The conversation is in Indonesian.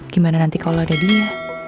gimana nanti kalau ada dia